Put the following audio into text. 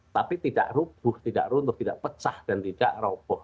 tapi tidak rubuh tidak runtuh tidak pecah dan tidak roboh